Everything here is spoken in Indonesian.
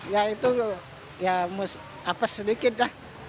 ya itu ya apa sedikit lah